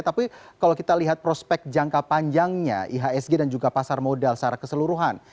tapi kalau kita lihat prospek jangka panjangnya ihsg dan juga pasar modal secara keseluruhan